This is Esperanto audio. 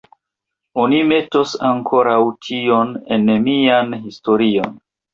Oni metos ankoraŭ tion en mian historion.